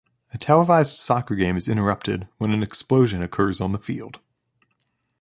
A televised soccer game is interrupted when an explosion occurs on the field.